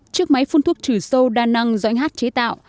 chiếc máy phun thuốc trừ sâu đa năng do anh hát chế tạo